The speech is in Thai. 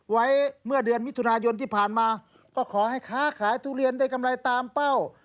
ไว้เมื่อเดือนมิถุนายนที่ผ่านมาก็ขอให้ค้าขายทุเรียนได้กำไรตามเป้า